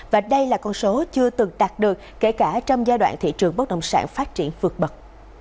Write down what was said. và đây là con số chưa từng đạt được kể cả trong giai đoạn thị trường bất động sản phát triển vượt bậc